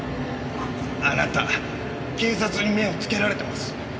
あなた警察に目をつけられてます。